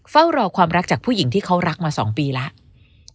เฝ้ารอความรักจากผู้หญิงที่เขารักมา๒ปีแล้ว